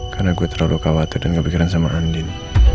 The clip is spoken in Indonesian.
karena gue terlalu khawatir dan kepikiran sama andin